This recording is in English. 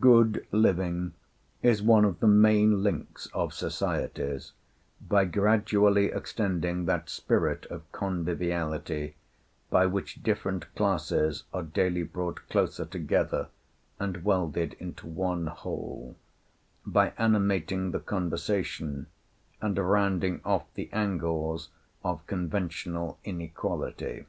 Good living is one of the main links of society, by gradually extending that spirit of conviviality by which different classes are daily brought closer together and welded into one whole; by animating the conversation, and rounding off the angles of conventional inequality.